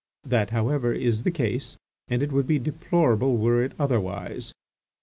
That, however, is the case, and it would be deplorable were it otherwise.